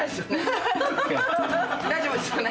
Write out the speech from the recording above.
大丈夫ですよね？